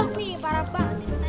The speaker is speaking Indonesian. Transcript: gua sih para bank